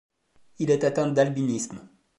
Il est atteint d'albinisme.